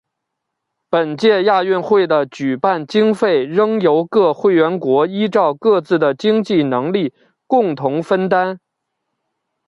本届亚运会的举办经费仍由各会员国依照各自的经济能力共同分担。